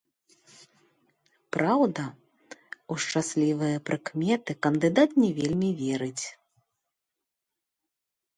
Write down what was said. Праўда, у шчаслівыя прыкметы кандыдат не вельмі верыць.